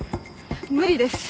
無理です。